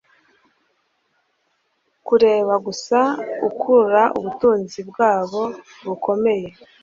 kureba gusa ukura ubutunzi bwabo bukomeye